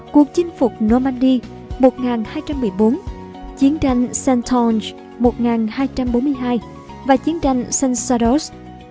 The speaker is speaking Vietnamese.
cuộc chinh phục normandy một nghìn hai trăm một mươi bốn chiến tranh saint ange một nghìn hai trăm bốn mươi hai và chiến tranh saint saudos một nghìn ba trăm hai mươi bốn